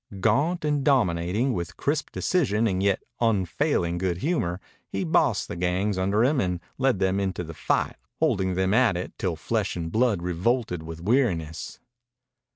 Gaunt and dominating, with crisp decision and yet unfailing good humor, he bossed the gangs under him and led them into the fight, holding them at it till flesh and blood revolted with weariness.